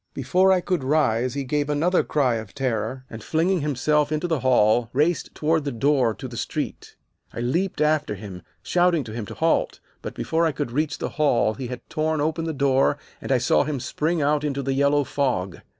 "Before I could rise, he gave another cry of terror, and, flinging himself into the hall, raced toward the door to the street. I leaped after him, shouting to him to halt, but before I could reach the hall he had torn open the door, and I saw him spring out into the yellow fog.